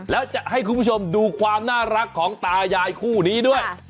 แล้วจะให้คุณผู้ชมดูความน่ารักของตายายคู่นี้ด้วย